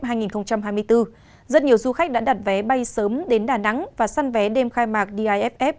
rất nhiều du khách đã đặt vé bay sớm đến đà nẵng và săn vé đêm khai mạc diff